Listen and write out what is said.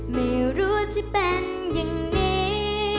ไม่รู้จะเป็นอย่างนี้